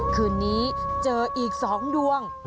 คืนนี้เจออีกสองดวงปท